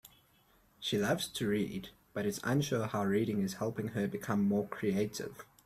She loves to read, but is unsure how reading is helping her become more creative.